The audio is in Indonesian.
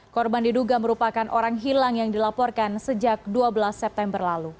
korban diduga merupakan orang hilang yang dilaporkan sejak dua belas september lalu